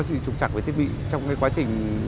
chỉ trục chặt với thiết bị trong cái quá trình